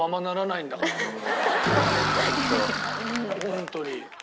ホントに。